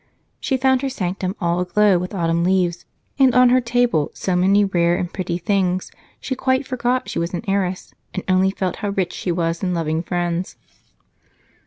She found her sanctum all aglow with autumn leaves, and on her table so many rare and pretty things, she quite forgot she was an heiress and only felt how rich she was in loving friends.